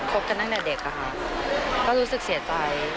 คบกันนักเด็กค่ะค่ะก็รู้สึกเสียใจ